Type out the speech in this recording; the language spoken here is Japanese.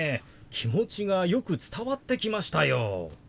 気持ちがよく伝わってきましたよ。